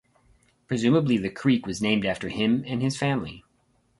Presumably, the creek was named after him and his family.